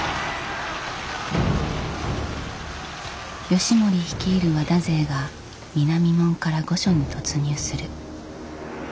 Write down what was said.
義盛率いる和田勢が南門から御所に突入する。